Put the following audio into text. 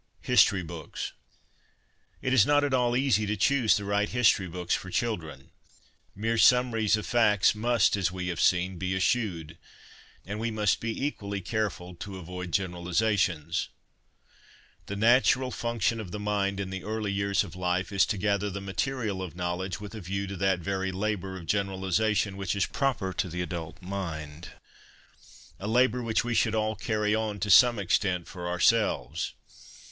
History Books. It is not at all easy to choose the right history books for children. Mere summaries of facts must, as we have seen, be eschewed ; and we must be equally careful to avoid generalisations. 288 HOME EDUCATION The natural function of the mind, in the early years of life, is to gather the material of knowledge with a view to that very labour of generalisation which is proper to the adult mind ; a labour which we should all carry on to some extent for ourselves.